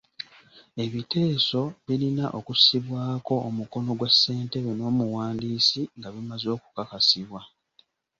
Ebiteeso birina okussibwako omukono gwa ssentebe n'omuwandiisi nga bimaze okukakasibwa.